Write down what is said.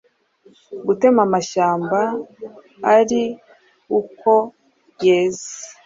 Gutema amashyamba ari uko yeze